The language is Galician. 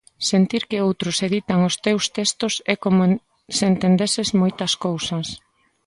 Sentir que outros editan os teus textos e como se entendeses moitas cousas.